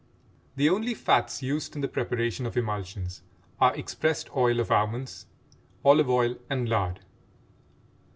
The only fats used in the preparation of emulsions are expressed oil of almonds, olive oil, and lard.